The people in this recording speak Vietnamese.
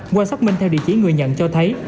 qua xác minh theo địa chỉ người nhận cho thấy